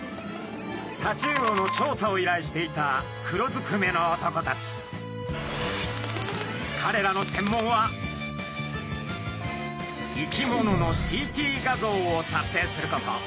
タチウオの調査をいらいしていたかれらの専門は生き物のＣＴ画像を撮影すること。